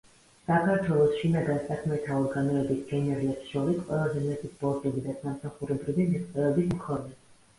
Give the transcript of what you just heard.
საქართველოს შინაგან საქმეთა ორგანოების გენერლებს შორის ყველაზე მეტი სპორტული და სამსახურებრივი მიღწევების მქონე.